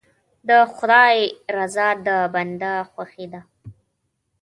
د خدای رضا د بنده خوښي ده.